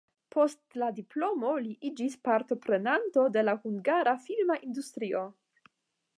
Post la diplomo li iĝis partoprenanto de la hungara filma industrio.